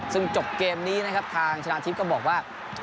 ซึ่งจบเกมนี้นะครับทางชนะทิพย์ก็บอกว่า